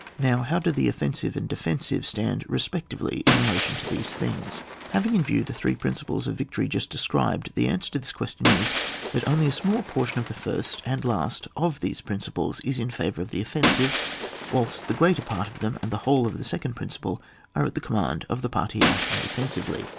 Now how do the offensive and defen sive stand respectively in relation to these things ? Having in view the three principles of victory just described, the answer^to this question is, that only a small portion of "^e first and last of these principles is in favour of the offensive, whilst the greater part of them, and the whole of the second principle, are at the command of the party acting defensively.